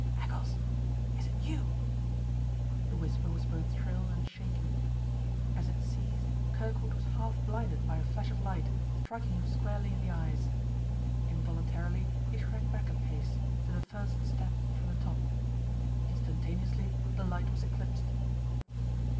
"Eccles, is it you?" The whisper was both shrill and shaky. As it ceased Kirkwood was half blinded by a flash of light, striking him squarely in the eyes. Involuntarily he shrank back a pace, to the first step from the top. Instantaneously the light was eclipsed.